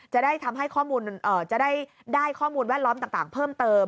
จะได้ได้ข้อมูลแวดล้อมต่างเพิ่มเติม